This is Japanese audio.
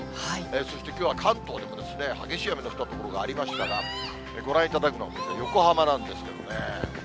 そしてきょうは関東でも激しい雨の降った所がありましたが、ご覧いただくのは横浜なんですけどね。